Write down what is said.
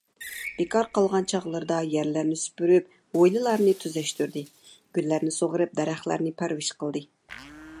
بىكار قالغان چاغلىرىدا يەرلەرنى سۈپۈرۈپ، ھويلىلارنى تۈزەشتۈردى. گۈللەرنى سۇغىرىپ، دەرەخلەرنى پەرۋىش قىلدى.